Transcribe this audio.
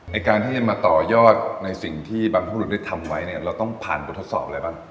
ในการที่จะมาต่อยอดในสิ่งที่บางผู้หลุดได้ทำไว้เราต้องผ่านปรุศสอบอะไรบ้าง